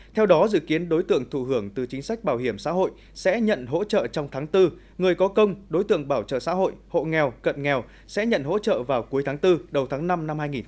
theo đó dự kiến đối tượng thụ hưởng từ chính sách bảo hiểm xã hội sẽ nhận hỗ trợ trong tháng bốn người có công đối tượng bảo trợ xã hội hộ nghèo cận nghèo sẽ nhận hỗ trợ vào cuối tháng bốn đầu tháng năm năm hai nghìn hai mươi